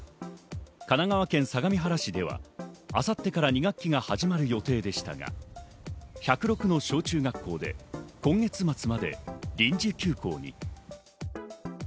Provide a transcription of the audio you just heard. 神奈川県相模原市では明後日から２学期が始まる予定でしたが、１０６の小中学校で今月末まで臨時休校に。